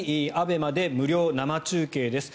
ＡＢＥＭＡで無料生中継です。